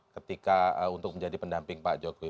ketika untuk menjadi pendamping pak jokowi